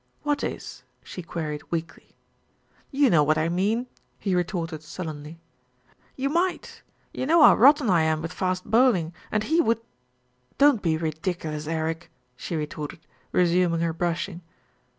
"What is?" she queried weakly. "You know what I mean," he retorted sullenly. "You might, you know how rotten I am with fast bowl ing, and he would " "Don't be ridiculous, Eric," she retorted, resuming her brushing.